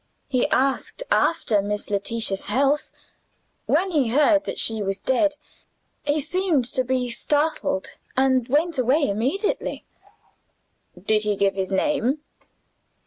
"He asked after Miss Letitia's health. When he heard that she was dead, he seemed to be startled, and went away immediately." "Did he give his name?"